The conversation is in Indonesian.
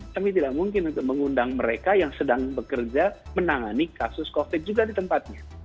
kami tidak mungkin untuk mengundang mereka yang sedang bekerja menangani kasus covid juga di tempatnya